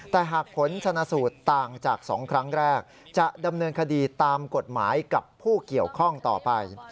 แต่หากผลชนะสูตรต่างจาก๒ครั้งแรกจะดำเนินคดีตามกฎหมายกับผู้เกี่ยวข้องต่อไป